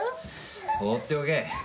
放っておけ。